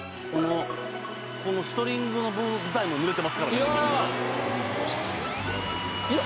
このストリングスの舞台もぬれてますからねいや！